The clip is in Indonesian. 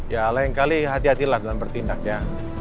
ya al yang kali hati hatilah dalam bertindaknya